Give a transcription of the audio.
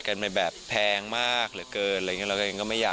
ก็เพราะว่าเราได้เข้าฉากด้วยกันตลอด